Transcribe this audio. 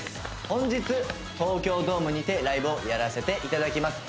本日東京ドームにてライブをやらせていただきます